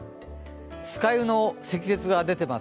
酸ヶ湯の積雪が出てます。